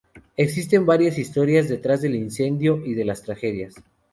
Existen varias historias detrás del incendio y de las tragedias.